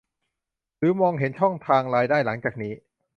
หรือมองเห็นช่องทางรายได้หลังจากนี้